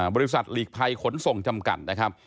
หลีกภัยขนส่งจำกัดนะครับ